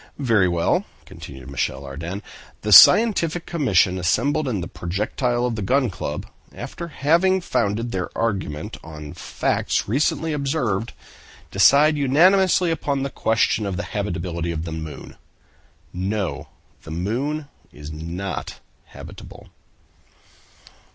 "Very well," continued Michel Ardan, "the Scientific Commission assembled in the projectile of the Gun Club, after having founded their argument on facts recently observed, decide unanimously upon the question of the habitability of the moon—'No! the moon is not habitable.